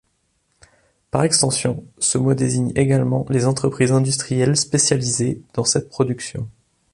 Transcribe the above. Par extension, ce mot désigne également les entreprises industrielles spécialisées dans cette production.